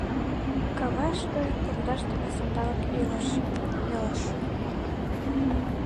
Каваште пундашдыме сандалык илыш... илыш.